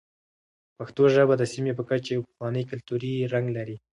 پښتو ژبه د سیمې په کچه یو پخوانی کلتوري رنګ لري.